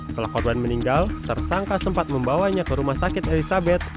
setelah korban meninggal tersangka sempat membawanya ke rumah sakit elizabeth